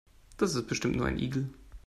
Das ist bestimmt nur ein Igel.